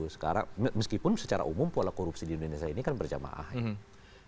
sekarang meskipun secara umum pola korupsi di indonesia ini kan berjamaah ya